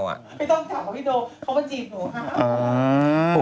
ไม่ต้องถามกันดูเขามาจีบหนู